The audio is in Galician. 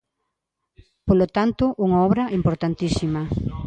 Polo tanto, unha obra importantísima.